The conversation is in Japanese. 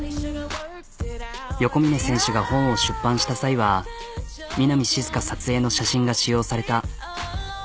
横峯選手が本を出版した際は南しずか撮影の写真が使用された。